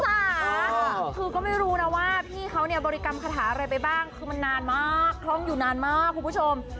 คือก็ไม่รู้นะว่าพี่เขาเนี่ยบริกรรมคาถาอะไรไปบ้างคือมันนานมากคล่องอยู่นานมากคุณผู้ชม